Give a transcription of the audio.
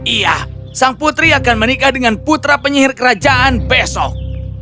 iya sang putri akan menikah dengan putra penyihir kerajaan besok